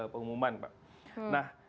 pengumuman pak nah